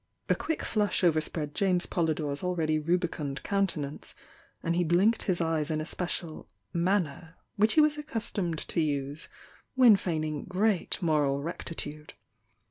A quick flush overspread James Polydore's already rubicund countenance, and he blinked his eyes in a special "manner" which he w4s accustomed to use when feigning great moral rectitude.